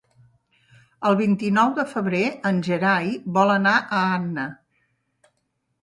El vint-i-nou de febrer en Gerai vol anar a Anna.